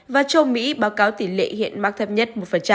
và châu mỹ báo cáo tỷ lệ hiện mắc thấp nhất một